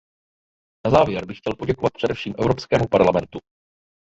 Na závěr bych chtěl poděkovat především Evropskému parlamentu.